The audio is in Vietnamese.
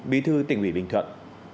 bí thư tỉnh ủy bình thuận